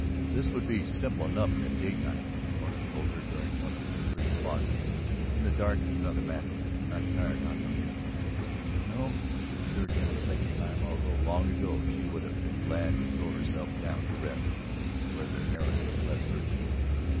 "This would be simple enough in the daytime," Norton told her during one of their brief pauses. "In the dark it's another matter. Not tired out, are you?" "No," she assured him the second time, although long ago she would have been glad to throw herself down to rest, were their errand less urgent.